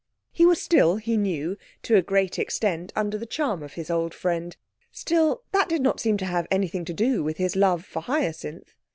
He was still, he knew, to a great extent under the charm of his old friend. Still, that did not seem to have anything to do with his love for Hyacinth.